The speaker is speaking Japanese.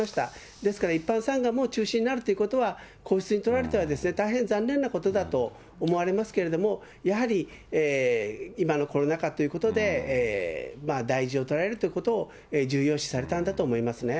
ですから、一般参賀も中止になるということは、皇室にとられては大変残念なことだと思われますけれども、やはり今のコロナ禍ということで、大事を取られるということを重要視されたんだと思いますね。